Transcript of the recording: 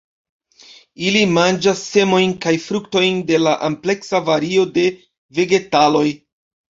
Ili manĝas semojn kaj fruktojn de ampleksa vario de vegetaloj.